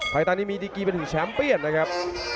ไพเติลนี้มีดิกี้มาถือแชมปียนนะครับ